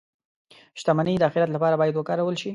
• شتمني د آخرت لپاره باید وکارول شي.